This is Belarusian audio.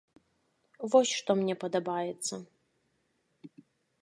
Вось што мне падабаецца.